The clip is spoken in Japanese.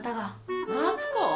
夏子？